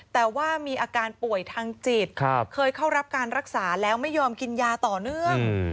แต่ว่ามีอาการป่วยทางจิตเคยเข้ารับการรักษาแล้วไม่ยอมกินยาต่อเนื่อง